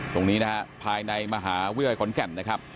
ตรงนี้นะฮะภายในมหาวิทยาลัยขอนแก่นนะครับ